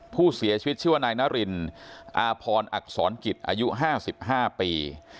ผู้เสียชีวิตชื่อว่านายนารินอาพรอักษรกิจอายุ๕๕ปี